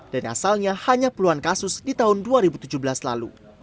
dan asalnya hanya puluhan kasus di tahun dua ribu tujuh belas lalu